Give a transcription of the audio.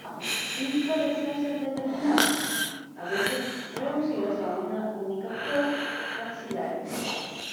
Inflorescencias determinadas, a veces reducidas a una única flor, axilares.